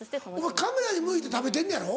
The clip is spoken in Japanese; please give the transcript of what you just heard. お前カメラに向いて食べてんのやろ？